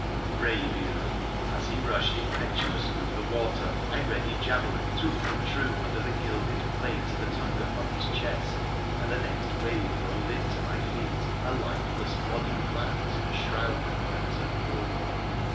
Brave youth ! As he rushed impetuous through the water my ready javelin took him true under the gilded plate that hung upon his chest, and the next wave rolled in to my feet a lifeless body lapped in a shroud of crimson foam.